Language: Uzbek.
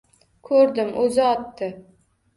Ko‘rdim, o‘zi otdi.